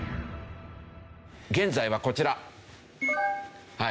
現在はこちら。